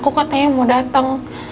aku katanya mau dateng